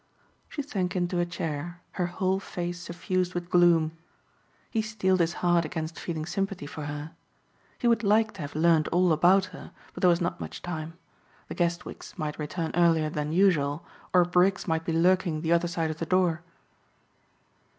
She sank into a chair her whole face suffused with gloom. He steeled his heart against feeling sympathy for her. He would liked to have learned all about her but there was not much time. The Guestwicks might return earlier than usual or Briggs might be lurking the other side of the door.